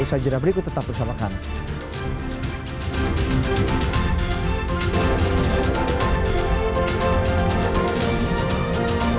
usaha jenah berikut tetap bersama kami